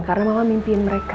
karena mama mimpiin mereka